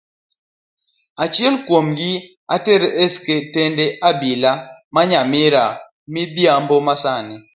Achiel kuomgi oter estesend obila ma nyamira midhiambo masani.